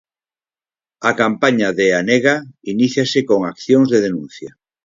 A campaña de Anega iníciase con accións de denuncia.